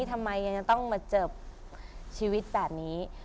ทำไมยังจะต้องมาเจอชีวิตแบบนี้